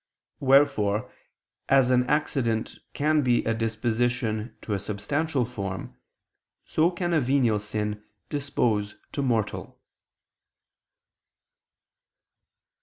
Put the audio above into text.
Wherefore an accident can be a disposition to a substantial form, so can a venial sin dispose to mortal.